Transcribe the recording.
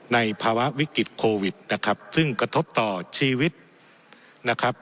ในภาวะวิกฤตโควิดนะครับซึ่งกระทบต่อชีวิตนะครับ